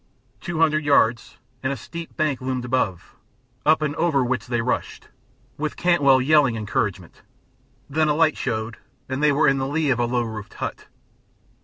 Two hundred yards, and a steep bank loomed above, up and over which they rushed, with Cantwell yelling encouragement; then a light showed, and they were in the lee of a low roofed hut.